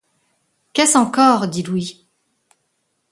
Qu’est-ce encore ? dit Louis